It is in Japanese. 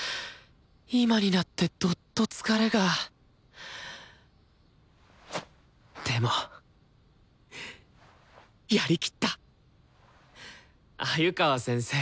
今になってどっと疲れがでもやりきった鮎川先生